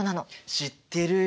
知ってるよ。